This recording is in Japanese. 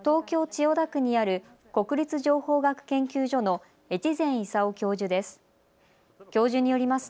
千代田区にある国立情報学研究所の越前功教授です。